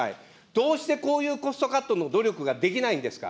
どうしてこういうコストカットの努力ができないんですか。